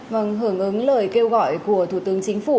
vâng hưởng ứng lời kêu gọi của thủ tướng chính phủ